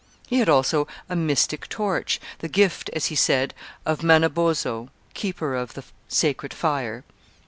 He had also a mystic torch, the gift, as he said, of Manabozho, keeper of the sacred fire.